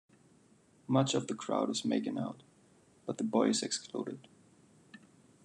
Much of the crowd is making out, but the boy is excluded.